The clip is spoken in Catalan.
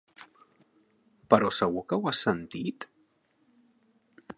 Però segur que ho has sentit?